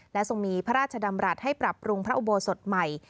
ทรงมีพระราชดำรัฐให้ปรับปรุงพระอุโบสถใหม่